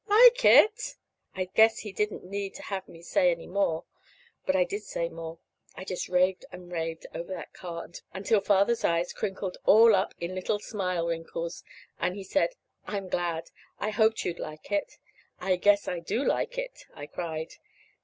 "Like it!" I guess he didn't need to have me say any more. But I did say more. I just raved and raved over that car until Father's eyes crinkled all up in little smile wrinkles, and he said: "I'm glad. I hoped you'd like it." "I guess I do like it!" I cried.